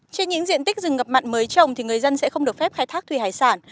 trên những diện tích rừng ngập mặn mới trồng thì người dân sẽ không được phép khai thác thủy hải sản